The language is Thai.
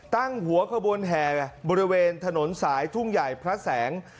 ตั้งหัวขบวนแห่บริเวณถนนสายทุ่งใหญ่พระแสง